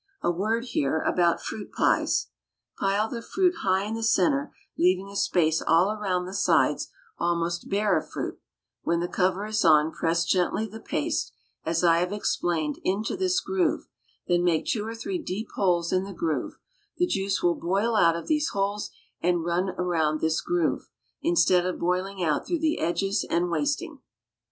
A word here about fruit pies: Pile the fruit high in the center, leaving a space all round the sides almost bare of fruit, when the cover is on press gently the paste, as I have explained, into this groove, then make two or three deep holes in the groove; the juice will boil out of these holes and run round this groove, instead of boiling out through the edges and wasting.